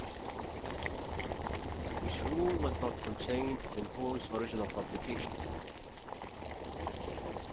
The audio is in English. This rule was not contained in Hoare's original publication.